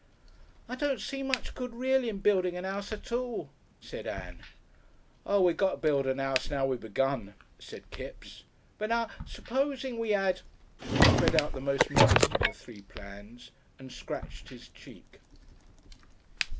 "I don't see much good reely in building an 'ouse at all," said Ann. "Oo, we got to build a 'ouse now we begun," said Kipps. "But, now, supposin' we 'ad ." He spread out the most modest of the three plans and scratched his cheek.